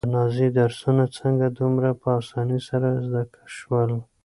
د نازيې درسونه څنګه دومره په اسانۍ سره زده شول؟